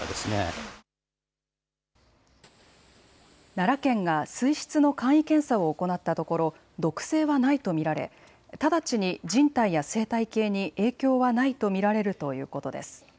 奈良県が水質の簡易検査を行ったところ毒性はないと見られ直ちに人体や生態系に影響はないと見られるということです。